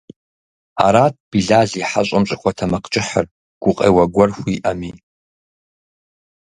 Арат Билал и хьэщӀэм щӀыхуэтэмакъкӀыхьыр, гукъеуэ гуэр хуиӀэми.